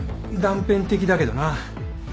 断片的だけどな。